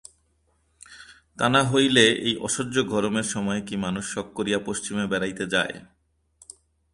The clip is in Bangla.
তা না হইলে এই অসহ্য গরমের সময় কি মানুষ শখ করিয়া পশ্চিমে বেড়াইতে যায়।